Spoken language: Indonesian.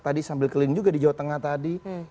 tadi sambil keliling juga di jawa tengah tadi